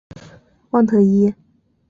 旺特伊。